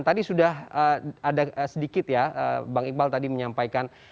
tadi sudah ada sedikit ya bang iqbal tadi menyampaikan